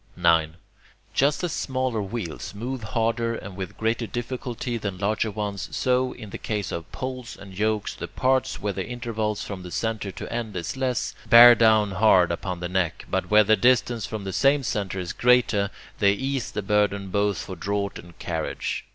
9. Just as smaller wheels move harder and with greater difficulty than larger ones, so, in the case of the poles and yokes, the parts where the interval from centre to end is less, bear down hard upon the neck, but where the distance from the same centre is greater, they ease the burden both for draught and carriage.